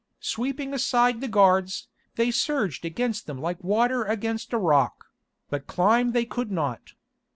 Sweeping aside the guards, they surged against them like water against a rock; but climb they could not.